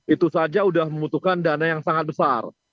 itu saja sudah membutuhkan dana yang sangat besar